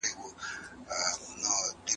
ژوند په ګډه ښکلی کیږي.